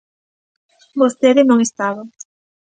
Vostede non estaba.